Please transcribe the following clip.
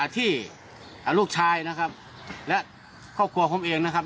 ที่ลูกชายนะครับและครอบครัวผมเองนะครับ